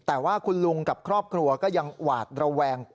แต่ว่าคุณลุงกับครอบครัวก็ยังหวาดระแวง